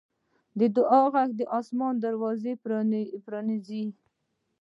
د دعا غږ د اسمان دروازې پرانیزي.